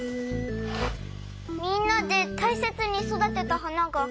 みんなでたいせつにそだてたはなが。